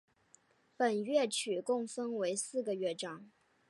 本乐曲共分为四个乐章。